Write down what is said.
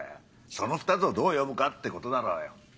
その２つをどう呼ぶかってことだろうよ。